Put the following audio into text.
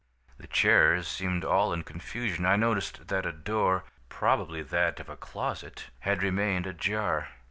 "The chairs seemed all in confusion. I noticed that a door, probably that of a closet, had remained ajar.